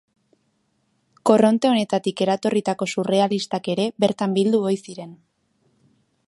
Korronte honetatik eratorritako surrealistak ere bertan bildu ohi ziren.